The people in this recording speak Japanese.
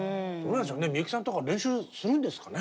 みゆきさんとか練習するんですかね？